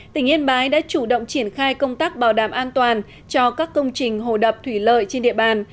tỉnh yên bái đã chủ động triển khai công tác bảo đảm an toàn cho các công trình hồ đập thủy lợi trên địa bàn